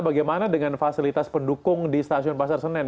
bagaimana dengan fasilitas pendukung di stasiun pasar senen